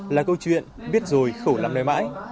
là câu chuyện biết rồi khổ lắm đời mãi